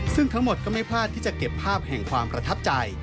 ซึ่งทั้งหมดก็ไม่พลาดที่จะเก็บภาพแห่งความประทับใจ